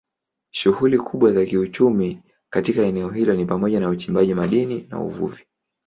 Shughuli kubwa za kiuchumi katika eneo hilo ni pamoja na uchimbaji madini na uvuvi.